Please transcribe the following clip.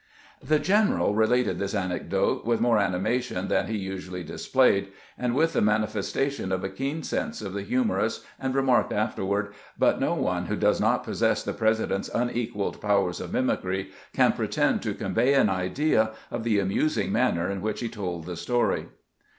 " The general related this anecdote with more anima tion than he usually displayed, and with the manifesta tion of a keen sense of the humorous, and remarked afterward, " But no one who does not possess the Presi dent's unequaled powers of mimicry can pretend to convey an idea of the amusing manner in which he told the story."